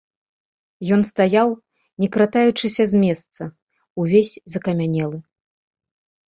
Ён стаяў, не кратаючыся з месца, увесь закамянелы.